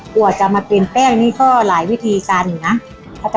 กว่าจะมาเป็นแป้งนี่ก็หลายวิธีการอยู่นะ